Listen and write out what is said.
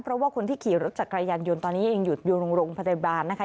เพราะว่าคนที่ขี่รถจักรยานยนต์ตอนนี้ยังอยู่โรงพยาบาลนะคะ